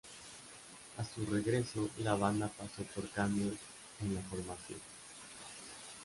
A su regreso, la banda pasó por cambios en la formación.